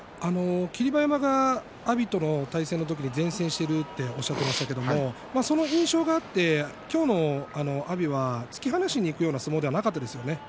霧馬山が阿炎との対戦の時に善戦しているとおっしゃっていましたがその印象があって今日は阿炎は突き放しにいくような相撲ではなかったですよね。